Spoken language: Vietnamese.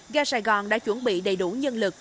ga sài gòn đã chuẩn bị đầy đủ nhân lực